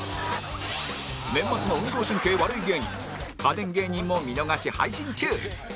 年末の運動神経悪い芸人家電芸人も見逃し配信中